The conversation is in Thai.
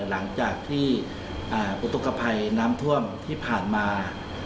หลังจากที่อุทธกภัยน้ำท่วมที่ผ่านมา